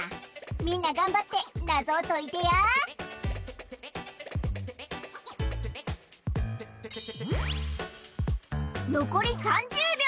みんながんばってナゾをといてやのこり３０びょう。